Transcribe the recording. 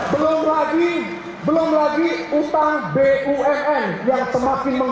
belum lagi belum lagi hutang bumf ini mencapai rp tujuh tujuh ratus tiga puluh tiga triliun